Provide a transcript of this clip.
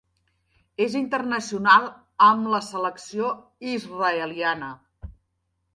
És internacional amb la selecció israeliana.